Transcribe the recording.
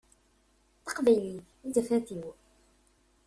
D taqbaylit i d tafat-iw.